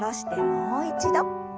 もう一度。